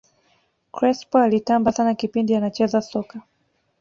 crespo alitamba sana kipindi anacheza soka